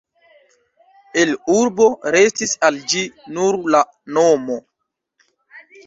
El urbo restis al ĝi nur la nomo.